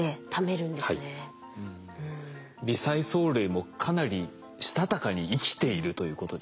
微細藻類もかなりしたたかに生きているということですね。